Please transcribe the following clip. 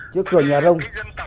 trước cửa nhà rông